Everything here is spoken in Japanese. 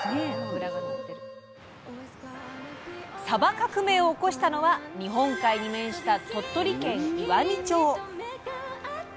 サバ革命を起こしたのは日本海に面した鳥取県岩美町。